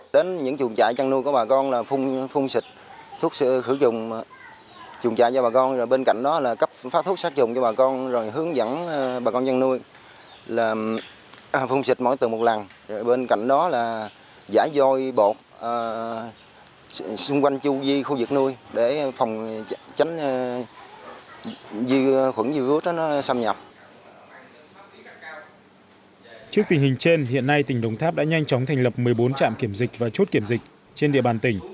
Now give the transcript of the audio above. trước tình hình trên hiện nay tỉnh đồng tháp đã nhanh chóng thành lập một mươi bốn trạm kiểm dịch và chốt kiểm dịch trên địa bàn tỉnh